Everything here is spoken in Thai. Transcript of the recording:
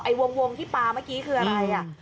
วงที่ปลาเมื่อกี้คืออะไรอ่ะ